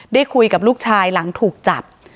ได้คุยกับลูกชายหลังถูกจับ